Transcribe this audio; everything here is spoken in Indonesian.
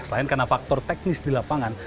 selain karena faktor teknis di lapangan